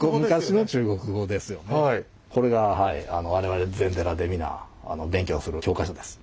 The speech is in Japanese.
これが我々禅寺で皆勉強する教科書です。